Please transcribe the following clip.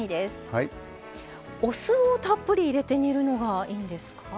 お酢をたっぷり入れて煮るのがいいんですか？